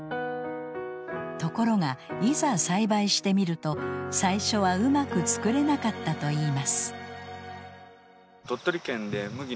ところがいざ栽培してみると最初はうまく作れなかったといいます。